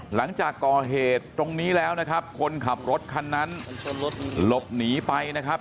หลังจากก่อเหตุตรงนี้แล้วนะครับคนขับรถคันนั้นหลบหนีไปนะครับ